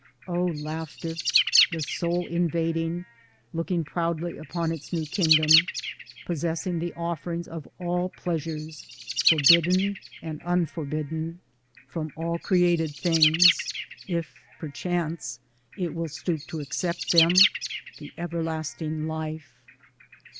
O laughter ! the Soul invading, looking proudly upon its new kingdom, possessing the offerings of all pleasures, forbidden and unforbidden, from all created things — if per chance it will stoop to accept them ; the everlasting life.